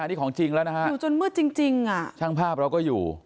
อยู่จนมืดจริงช่างภาพเราก็อยู่